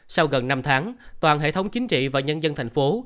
sau gần năm tháng toàn hệ thống chính trị và nhân dân thành phố